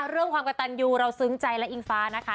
เรื่องความกระตันยูเราซึ้งใจและอิงฟ้านะคะ